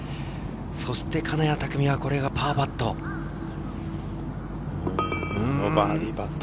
そして金谷拓実は、これがパーパット。